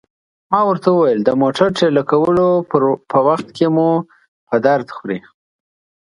ما ورته وویل: د موټر ټېله کولو په وخت کې مو په درد خوري.